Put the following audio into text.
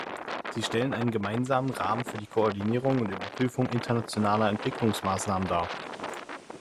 Sie stellen einen gemeinsamen Rahmen für die Koordinierung und Überprüfung internationaler Entwicklungsmaßnahmen dar.